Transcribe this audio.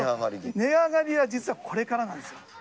値上がりは実はこれからなんですよ。